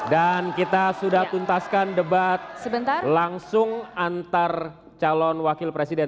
dan kita sudah tuntaskan debat langsung antar calon wakil presiden